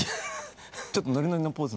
ちょっとノリノリのポーズ。